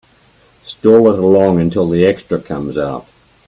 Stall it along until the extra comes out.